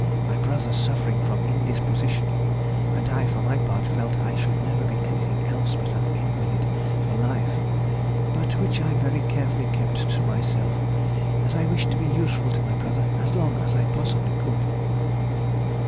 My brother suffering from indisposition, and I, for my part, felt I should never be anything else but an invalid for life, but which I very carefully kept to myself, as I wished to be useful to my brother as long as possibly I could....